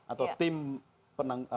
atau tim penanggung